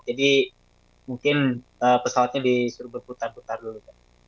jadi mungkin pesawatnya disuruh berputar putar dulu